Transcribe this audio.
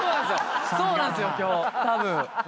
そうなんすよ今日たぶん。